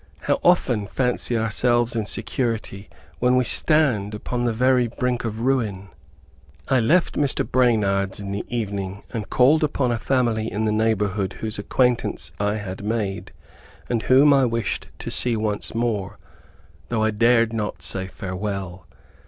How often fancy ourselves in security when we stand upon the very brink of ruin! I left Mr. Branard's in the evening, and called upon a family in the neighborhood whose acquaintance I had made, and whom I wished to see once more, though I dared not say farewell.